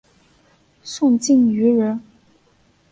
宋敬舆人。